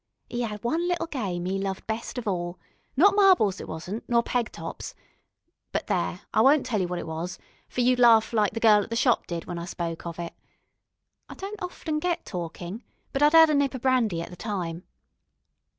'E 'ad one little game 'e loved best of all not marbles, it wasn't, nor peg tops but there, I won't tell you what it was, for you'd laugh like the gal at the shop did when I spoke of it. I don't often get talkin', but I'd 'ad a nip of brandy at the time.